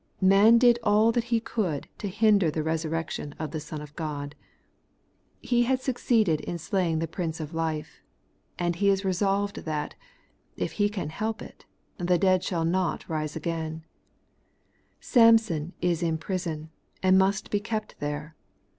Man did all that he could to hinder the resur rection of the Son of God He had succeeded in slaying the Prince of life; and he is resolved that, if he can help it, the dead shall not arise. Samson is in prison, and must be kept there.